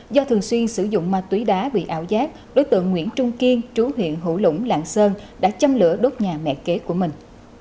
do thường xuyên sử dụng ma túy đá bị ảo giác đối tượng nguyễn trung kiên chú huyện hữu lũng lạng sơn đã châm lửa đốt nhà mẹ kế của mình